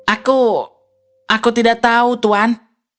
aku aku tidak tahu tuhan